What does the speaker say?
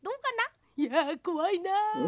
いやこわいな。